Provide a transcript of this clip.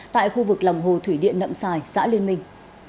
tại khu vực lòng hồ thủy điện nậm sài xã liên minh